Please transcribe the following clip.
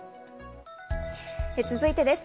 続いてです。